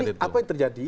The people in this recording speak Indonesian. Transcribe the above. jadi apa yang terjadi